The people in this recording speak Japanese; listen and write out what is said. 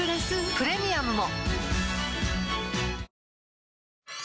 プレミアムも